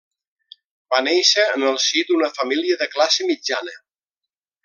Va néixer en el si d'una família de classe mitjana.